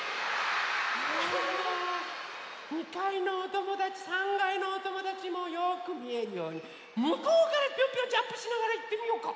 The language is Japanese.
２かいのおともだち３がいのおともだちもよくみえるようにむこうからぴょんぴょんジャンプしながらいってみようか。